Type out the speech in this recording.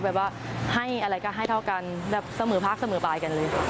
แบบว่าให้อะไรก็ให้เท่ากันแบบเสมอภาคเสมอบายกันเลย